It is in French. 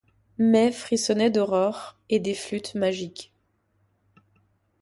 Mai frissonnait d'aurore, et des flûtes magiques